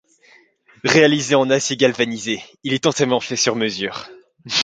Réalisé en acier galvanisé, il est entièrement fait sur mesure.